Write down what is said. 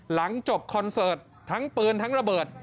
หลังจบคอนเสิร์ตทั้งปืนทั้งระเบิด